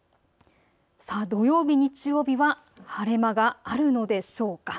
土曜日、日曜日は晴れ間があるのでしょうか。